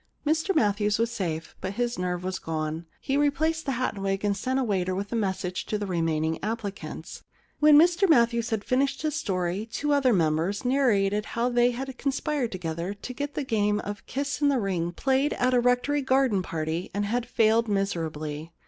Mr Matthews was safe, but his nerve was gone. He replaced the hat and wig, and sent a waiter with a message to the remaining applicants. When Mr Matthews had finished his story two other members narrated how they had conspired together to get the game of kiss in the ring played at a rectory garden party and had failed miserably.